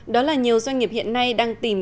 đó là nhiều doanh nghiệp hiện nay đang tìm